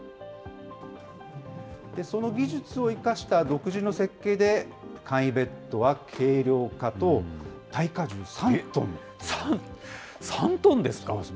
その技術を生かした独自の設計で、簡易ベッドは軽量化と、３トンですか。